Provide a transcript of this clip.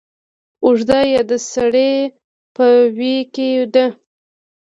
اوږده يا د سړې په ویي کې ده